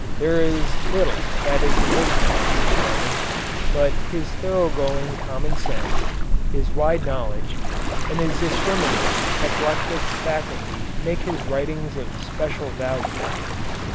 There is little that is original in his writing, but his thoroughgoing common sense, his wide knowledge, and his discriminating, eclectic faculty make his writings of special value.